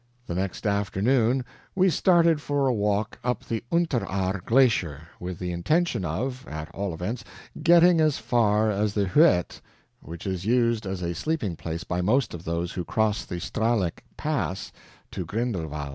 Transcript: The next afternoon we started for a walk up the Unteraar glacier, with the intention of, at all events, getting as far as the Hütte which is used as a sleeping place by most of those who cross the Strahleck Pass to Grindelwald.